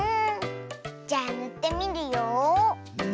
じゃあぬってみるよ。